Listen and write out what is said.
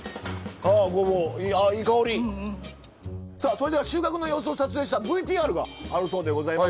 それでは収穫の様子を撮影したＶＴＲがあるそうでございます。